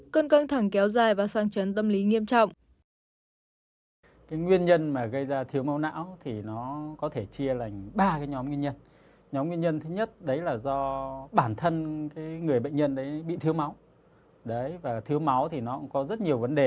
cơn căng thẳng kéo dài và sang chấn tâm lý nghiêm trọng